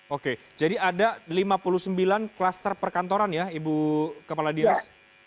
oke jadi ada lima puluh sembilan kluster perkantoran ya ibu kepala dinas